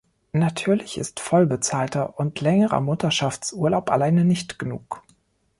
Natürlich ist voll bezahlter und längerer Mutterschaftsurlaub alleine nicht genug.